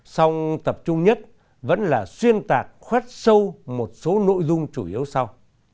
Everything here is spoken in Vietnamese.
song tập trung nhất vẫn là xuyên tạc khoét sâu một số nội dung chủ yếu sau